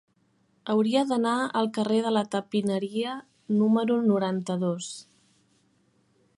Hauria d'anar al carrer de la Tapineria número noranta-dos.